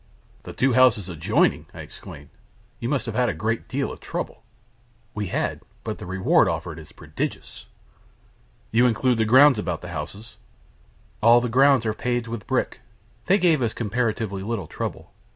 "The two houses adjoining!" I exclaimed. "You must have had a great deal of trouble." "We had; but the reward offered is prodigious." "You include the grounds about the houses?" "All the grounds are paved with brick. They gave us comparatively little trouble.